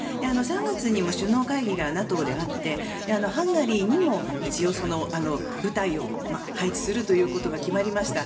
３月にも首脳会議がＮＡＴＯであってハンガリーにも一応部隊を配置するということが決まりました。